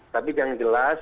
tapi yang jelas